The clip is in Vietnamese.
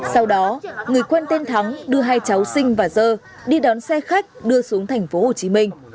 sau đó người quen tên thắng đưa hai cháu sinh và dơ đi đón xe khách đưa xuống tp hcm